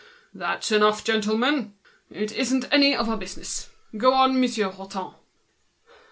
"That's enough, gentlemen. It isn't our business. Go on, Monsieur Hutin."